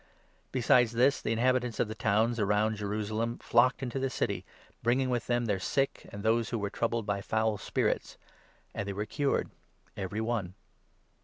Besides this, the 16 inhabitants of the towns round Jerusalem flocked into the city, bringing with them their sick and those who were troubled by foul spirits ; and they were cured every one.